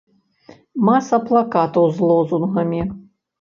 Маса плакатаў з лозунгамі.